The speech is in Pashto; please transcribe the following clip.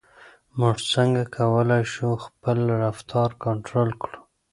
موږ څنګه کولای شو خپل رفتار کنټرول کړو؟